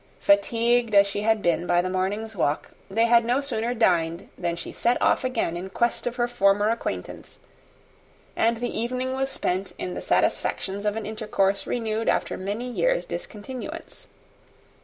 Fatigued as she had been by the morning's walk, they had no sooner dined than she set off again in quest of her former acquaintance, and the evening was spent in the satisfactions of an intercourse renewed after many years' discontinuance.